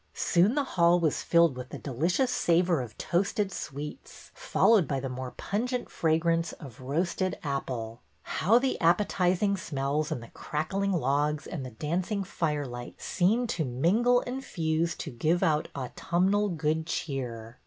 Soon the hall was filled with the delicious savor of toasted sweets, followed by the more pungent EDWYNA FROM THE WEST 185 fragrance of roasted apple. How the appetizing smells and the crackling logs and the dancing firelight seemed to mingle and fuse to give out autumnal good cheer!